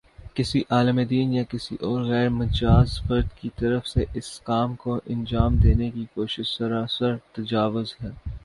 کسی عالمِ دین یا کسی اور غیر مجاز فرد کی طرف سے اس کام کو انجام دینے کی کوشش سراسر تجاوز ہے